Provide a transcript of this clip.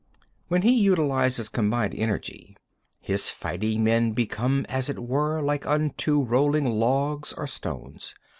22. When he utilises combined energy, his fighting men become as it were like unto rolling logs or stones.